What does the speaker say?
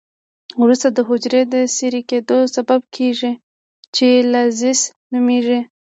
وروسته د حجري د څیرې کیدو سبب کیږي چې لایزس نومېږي.